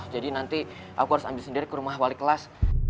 jadi nanti aku harus ambil sendiri ke rumah wali kelas